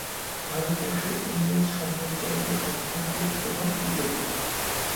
ভারতবর্ষে ইংরেজ সাম্রাজ্যবাদের অর্থনৈতিক প্রভাব বিতর্কিত।